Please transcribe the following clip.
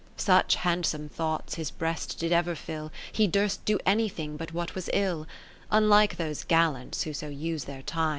Such handsome thoughts his breast did ever fill. He durst do anything, but what was ill ; Unlike those gallants who so use their time.